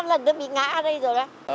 ba lần nữa bị ngã đây rồi đó